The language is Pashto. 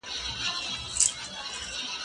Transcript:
زه بازار ته نه ځم